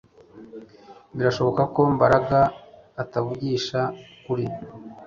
Birashoboka ko Mbaraga atavugisha ukuri